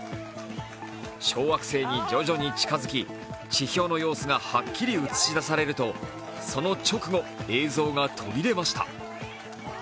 小惑星に徐々に近づき、地表の様子がはっきり映し出されると、その直後、映像が途切れました。